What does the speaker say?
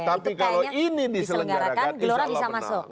tapi kalau ini diselenggarakan gelora bisa masuk